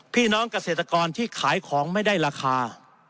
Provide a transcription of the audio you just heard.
พี่น้องเกษตรกรที่ขายของไม่ได้ราคา